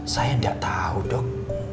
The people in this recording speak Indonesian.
saya gak tahu dok